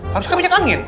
habis itu kan minyak angin